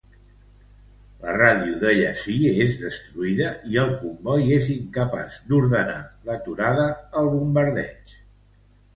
La ràdio de Yahzee és destruïda i el comboi és incapaç d'ordenar l'aturada el bombardeig.